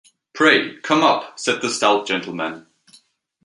'Pray, come up,’ said the stout gentleman.